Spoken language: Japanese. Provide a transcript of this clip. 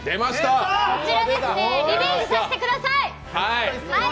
こちら、リベンジさせてください！